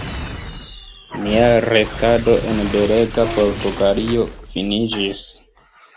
Mia restado en belega Portugalio finiĝis.